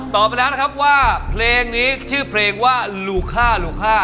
ตอบไปแล้วนะครับว่าเพลงนี้ชื่อเพลงว่า